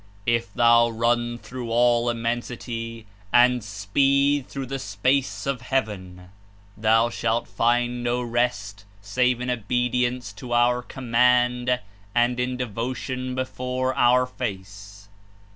If thou run through all immen sity and speed through the space of heaven, thou shalt find no rest save in obedience to our Command and in devotion before our Face.''